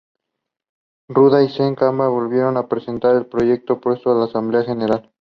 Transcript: Ruda y Sette Câmara volvieron a presentar el proyecto propuesto en la Asamblea General.